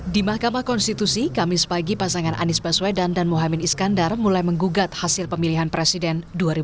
di mahkamah konstitusi kami sepagi pasangan anies baswedan dan mohamad iskandar mulai menggugat hasil pemilihan presiden dua ribu dua puluh empat